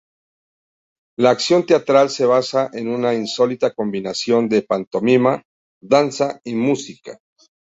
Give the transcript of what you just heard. La acción teatral se basa en una insólita combinación de pantomima, danza y música.